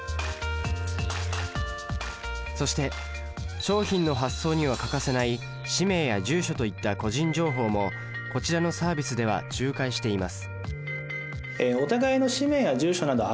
そして商品の発送には欠かせない氏名や住所といった個人情報もこちらのサービスでは仲介しています。